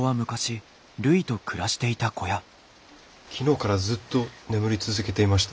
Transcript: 昨日からずっと眠り続けていました。